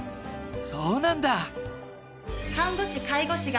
そうなんだ！